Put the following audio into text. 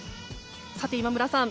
さて、今村さん